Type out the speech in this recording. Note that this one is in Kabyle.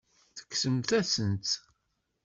Tekksemt-asent-tt.